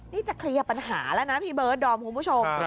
นี่จะเคลียร์ปัญหาแล้วนะพี่เบิร์ดดอมคุณผู้ชม